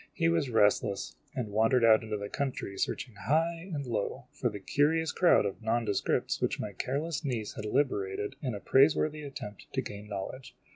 He was restless, and wandered out into the country searching high and low for the curious crowd of nondescripts which my careless niece had liberated in a praiseworthy attempt to gain knowledge.